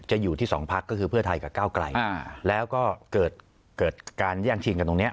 อยู่ที่สองพักก็คือเพื่อไทยกับก้าวไกลแล้วก็เกิดการแย่งชิงกันตรงนี้